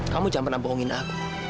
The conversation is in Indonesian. kamu jangan pernah bohongin aku